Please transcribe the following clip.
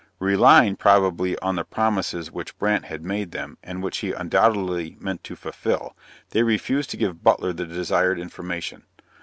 Relying, probably, on the promises which Brandt had made them, and which he undoubtedly meant to fulfil, they refused to give Butler the desired information.